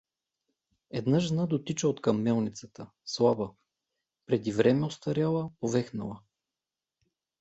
Една жена дотича откъм мелницата, слаба, преди време остаряла, повехнала.